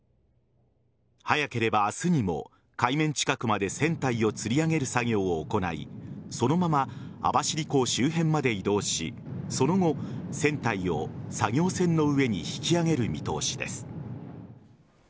早ければ明日にも海面近くまで船体をつり上げる作業を行いそのまま網走港周辺まで移動しその後、船体を作業船の上に引き揚げる見通しです。